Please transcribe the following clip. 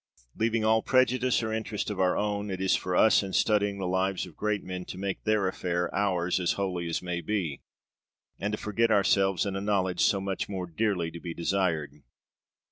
Leaving all prejudice or interest of our own, it is for us, in studying the lives of great men, to make their affair ours as wholly as may be; and to forget ourselves in a knowledge so much more dearly to be desired.